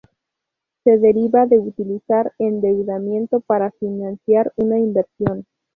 Se deriva de utilizar endeudamiento para financiar una inversión.